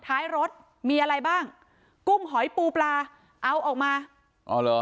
ท้ายรถมีอะไรบ้างกุ้งหอยปูปลาเอาออกมาอ๋อเหรอ